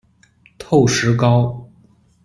透石膏。